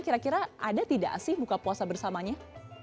kira kira ada tidak sih buka puasa bersamanya